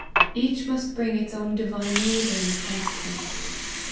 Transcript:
Each must bring its own divinely ordained consequence.